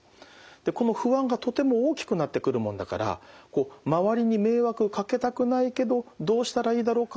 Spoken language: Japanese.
でこの不安がとても大きくなってくるもんだから周りに迷惑をかけたくないけどどうしたらいいだろうか。